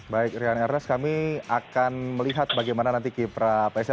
baik rian ernest kami akan melihat bagaimana nanti kipra psm